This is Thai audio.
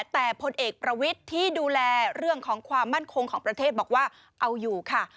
แต่พลเอกประวิทย์ที่ดูแลเรื่องของความมั่นคงของประเทศบอกว่าเอาอยู่ค่ะ